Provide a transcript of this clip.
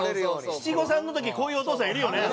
七五三の時こういうお父さんいるよね。